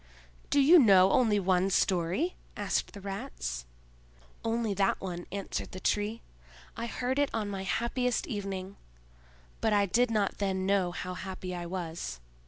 "Do you know only one story?" asked the Rats. "Only that one," answered the Tree. "I heard it on my happiest evening; but I did not then know how happy I was."